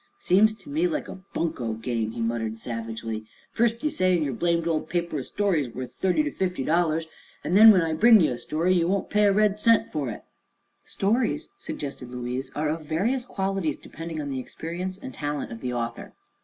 "Seems to me like a bunco game," he muttered savagely. "First ye say in yer blamed ol' paper a story's wuth thirty to fifty dollars, an' then when I bring ye a story ye won't pay a red cent fer it!" "Stories," suggested Louise, "are of various qualities, depending on the experience and talent of the author.